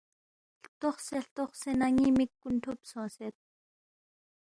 ہلتوخسے ہلتوخسےنہ ن٘ی مِک کُن ٹھوب سونگسید